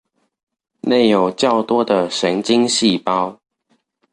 內有較多的神經細胞